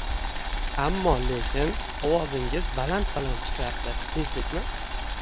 Ammo-lekin ovozingiz baland-baland chiqyapti, tinchlikmi?